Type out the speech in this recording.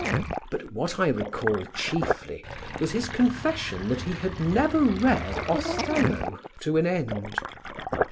But what I recall chiefly was his confession that he had never read Othello to an end.